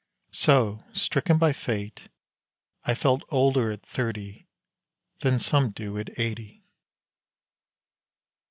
So, stricken by fate, I Felt older at thirty than some do at eighty.